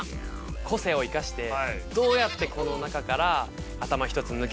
個性を生かしてどうやってこの中から頭１つ抜けて。